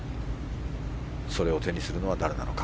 それを手にするのは誰なのか。